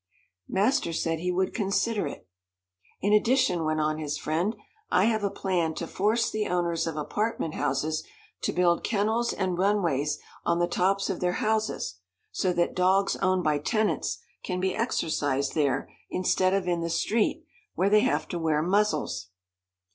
Master said he would consider it. "In addition," went on his friend, "I have a plan to force the owners of apartment houses to build kennels and runways on the tops of their houses, so that dogs owned by tenants, can be exercised there, instead of in the street, where they have to wear muzzles."